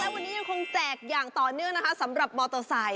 และวันนี้เหมือนจะจากอย่างต่อเนื่องสำหรับมอเตอร์ไซด์